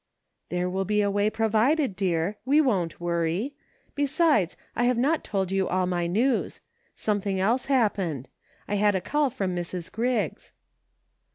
" There will be a way provided, dear ; we won't worry. Besides, I have not told you all my news ; something else happened. I had a call from Mrs. Griggs."